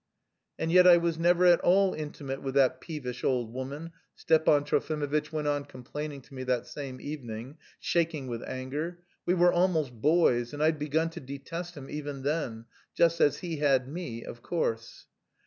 "And yet I was never at all intimate with that peevish old woman," Stepan Trofimovitch went on complaining to me that same evening, shaking with anger; "we were almost boys, and I'd begun to detest him even then... just as he had me, of course."